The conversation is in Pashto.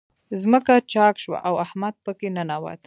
ځمکه چاک شوه، او احمد په کې ننوت.